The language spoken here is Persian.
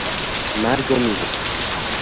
مرگ و میر